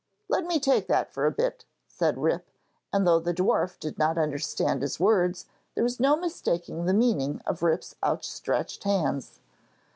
'Let me take that for a bit,' said Rip, and though the dwarf did not understand his words, there was no mistaking the meaning of Rip's outstretched hands.